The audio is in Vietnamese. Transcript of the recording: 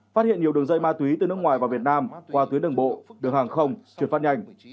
phát hiện nhiều đường dây ma túy từ nước ngoài vào việt nam qua tuyến đường bộ đường hàng không chuyển phát nhanh